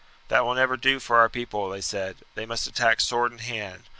"That will never do for our people," they said. "They must attack sword in hand.